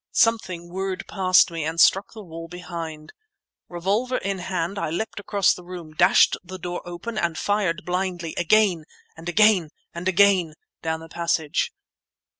Something whirred past me and struck the wall behind. Revolver in hand, I leapt across the room, dashed the door open, and fired blindly—again—and again—and again—down the passage.